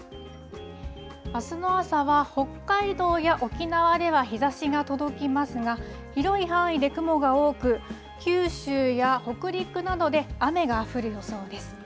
あすの朝は北海道や沖縄では日ざしが届きますが、広い範囲で雲が多く、九州や北陸などで雨が降る予想です。